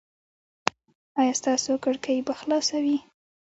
ایا ستاسو کړکۍ به خلاصه وي؟